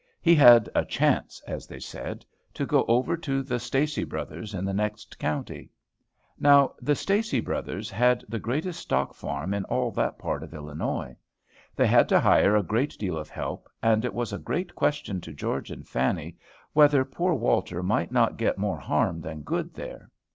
He had "a chance," as they said, to go over to the Stacy Brothers, in the next county. Now the Stacy Brothers had the greatest stock farm in all that part of Illinois. They had to hire a great deal of help, and it was a great question to George and Fanny whether poor Walter might not get more harm than good there.